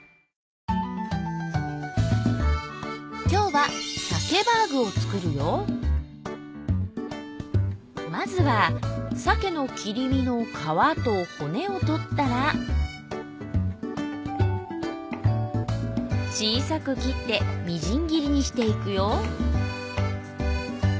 今日はさけばーぐを作るよまずはさけの切り身の皮と骨を取ったら小さく切ってみじん切りにしていくよ。